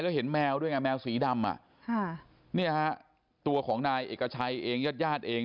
แล้วเห็นแมวด้วยแมวสีดำตัวของนายเอกชัยเองญาติญาติเอง